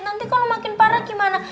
nanti kalau makin parah gimana